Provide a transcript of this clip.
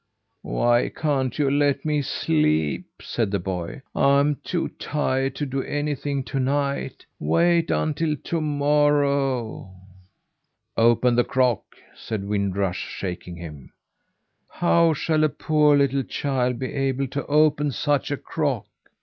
"Why can't you let me sleep?" said the boy. "I'm too tired to do anything to night. Wait until to morrow!" "Open the crock!" said Wind Rush, shaking him. "How shall a poor little child be able to open such a crock?